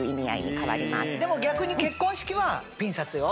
でも逆に結婚式はピン札よ。